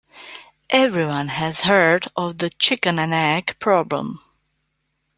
Everyone has heard of the chicken and egg problem.